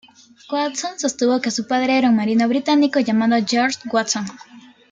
Watson sostuvo que su padre era un marino británico llamado George Watson.